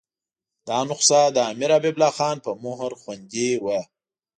دا نسخه د امیر حبیب الله خان په مهر خوندي وه.